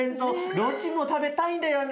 どっちも食べたいんだよね。